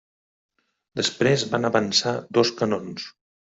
Després van avançar dos canons.